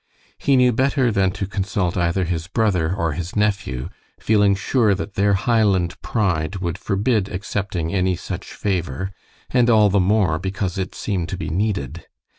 He knew better than to consult either his brother or his nephew, feeling sure that their Highland pride would forbid accepting any such favor, and all the more because it seemed to be needed.